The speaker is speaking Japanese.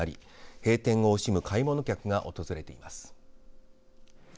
閉店を惜しむ買い物客が訪れています。